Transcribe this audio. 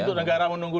untuk negara menunggu